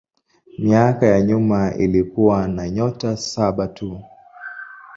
Miaka ya nyuma ilikuwa na nyota saba tu.